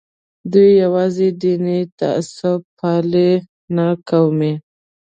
دوی یوازې دیني تعصب پالي نه قومي.